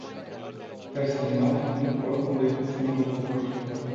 Personal, nu pot decât să mă bucur.